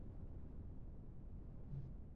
而它也有一个磁场改变的周期。